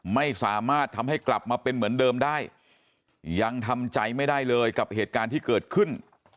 ไม่สามารถทำให้กลับมาเป็นเหมือนเดิมได้ยังทำใจไม่ได้เลยกับเหตุการณ์ที่เกิดขึ้น